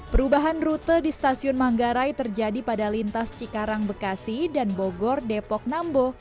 perubahan rute di stasiun manggarai terjadi pada lintas cikarang bekasi dan bogor depok nambo